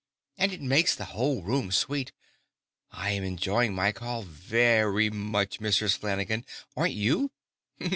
"And it makes the whole room sweet. I am enjoying my call very much, Mrs. Flanagan; aren't you?"